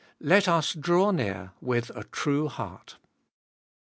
Let us draw near with, a true heart.